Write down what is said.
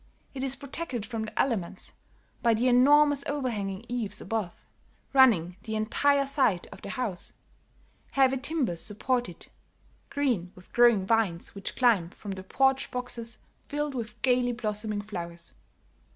It is protected from the elements by the enormous overhanging eaves above, running the entire side of the house; heavy timbers support it, green with growing vines which climb from the porch boxes filled with gayly blossoming flowers.